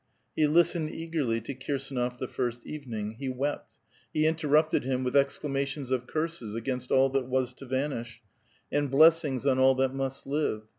He listened eagerly to Kir B^nof the first evening. He wept ; he interrupted him with exclamations of curses against all that was to vanish, and l>Iessiugs on all that must live.